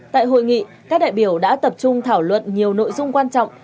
tại hội nghị các đại biểu đã tập trung thảo luận nhiều nội dung quan trọng